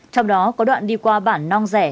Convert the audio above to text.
trong đó có đoạn đi qua bản nong rẻ